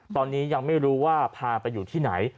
ตอนนี้ยังไม่รู้ว่าพาไปอยู่ที่ไหน